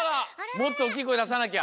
もっとおっきいこえださなきゃ。